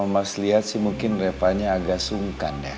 mas lihat sih mungkin repanya agak sungkan ya